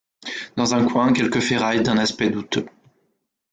Dans un coin quelques ferrailles d’un aspect douteux.